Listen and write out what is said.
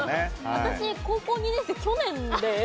私、高校２年生、去年で。